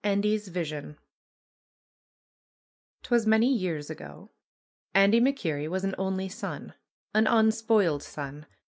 ANDY'S VISION ^Twas many years ago ! Andy MacKerrie was an only son, an unspoiled son.